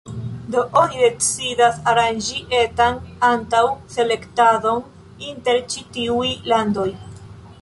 Do oni decidis aranĝi etan antaŭ-selektadon inter ĉi-tiuj landoj.